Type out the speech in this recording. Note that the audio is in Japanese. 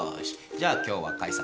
じゃあ今日は解散。